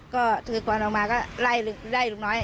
ก็ถือขวานลงมาไลห์ลุงน้อย